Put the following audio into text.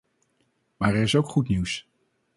Maar er is ook goed nieuws.